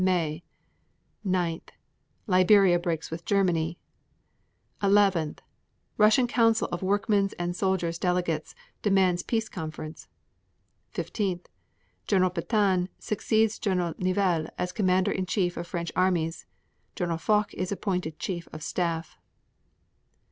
May 9. Liberia breaks with Germany. 11. Russian Council of Workmen's and Soldiers' Delegates demands peace conference. 15. Gen. Petain succeeds Gen. Nivelle as Commander in Chief of French armies. Gen. Foch is appointed Chief of Staff.